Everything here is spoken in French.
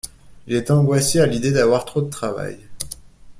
Il est angoissé à l'idée d'avoir trop de travail.